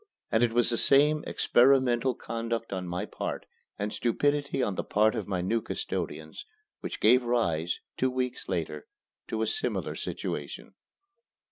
And it was the same experimental conduct on my part, and stupidity on the part of my new custodians, which gave rise, two weeks later, to a similar situation.